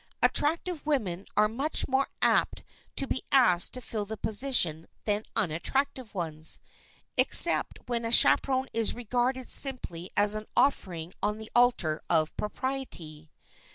Attractive women are much more apt to be asked to fill the position than unattractive ones, except when a chaperon is regarded simply as an offering on the altar of propriety.